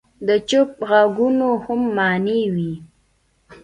د چوپ ږغونو هم معنی وي.